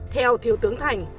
theo thiếu tướng thành